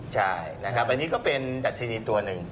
ใช่นะครับอันนี้ก็เป็นดัชนีนตัวหนึ่ง